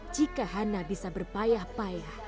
jika hana bisa berpayah payah